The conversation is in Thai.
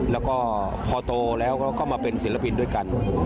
แล้วก็พอโตแล้วก็มาเป็นศิลปินด้วยกัน